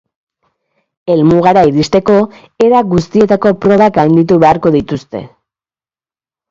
Helmugara iristeko, era guztietako probak gainditu beharko dituzte.